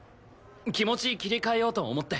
気持ち切り替えようと思って。